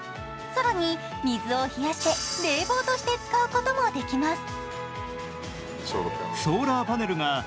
更に、水を冷やして冷房として使うこともできます。